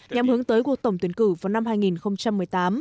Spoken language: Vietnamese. nhằm hướng tới cuộc tổng tuyển cử vào năm hai nghìn một mươi tám